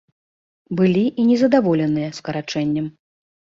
Былі і незадаволеныя скарачэннем.